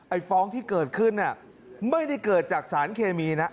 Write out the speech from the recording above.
ฟ้องที่เกิดขึ้นไม่ได้เกิดจากสารเคมีนะ